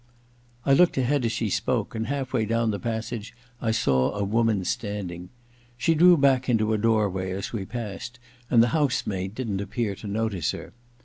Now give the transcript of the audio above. * I looked ahead as she spoke, and half way down the passage I saw a woman standing. She drew back into a doorway as we passed and the house m^d didn't appear to notice her.